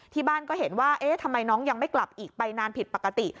ที่บ้านก็เห็นว่าเอ๊ะทำไมน้องยังไม่กลับอีกไปนานผิดปกติ